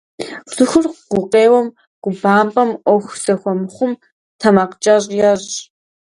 Цӏыхур гукъеуэм, губампӏэм, ӏуэху зэхуэмыхъум тэмакъкӏэщӏ ещӏ.